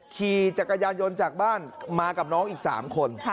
ขี่จักรยานยนต์จากบ้านมากับน้องอีก๓คน